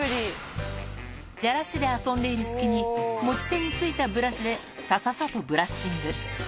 じゃらしで遊んでいる隙に、持ち手についたブラシで、さささとブラッシング。